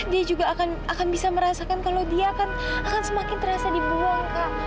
dia juga akan bisa merasakan kalau dia kan akan semakin terasa dibuang